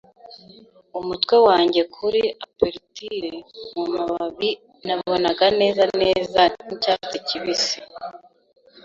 umutwe wanjye kuri aperture mumababi, nabonaga neza neza nkicyatsi kibisi